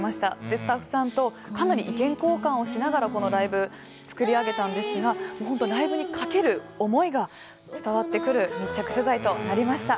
スタッフさんと意見交換しながらこのライブを作り上げたんですが本当にライブにかける思いが伝わってくる密着取材でした。